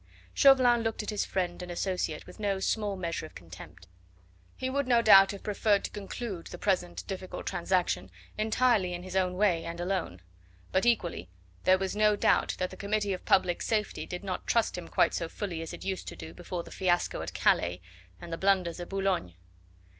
Chauvelin looked on his friend and associate with no small measure of contempt. He would no doubt have preferred to conclude the present difficult transaction entirely in his own way and alone; but equally there was no doubt that the Committee of Public Safety did not trust him quite so fully as it used to do before the fiasco at Calais and the blunders of Boulogne.